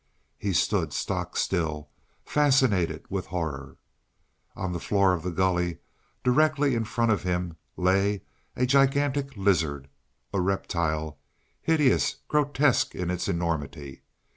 He stood stock still, fascinated with horror. On the floor of the gully, directly in front of him, lay a gigantic lizard a reptile hideous, grotesque in its enormity.